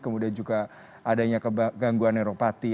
kemudian juga adanya kegangguan neuropati